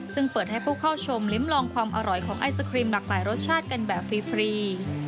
ซึ่งเปิดให้ผู้เข้าชมลิ้มลองความอร่อยของไอศครีมหลากหลายรสชาติกันแบบฟรี